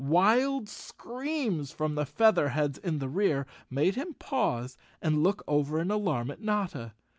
Wild screams from the Feather heads in the rear made him pause and look over in alarm at Notta.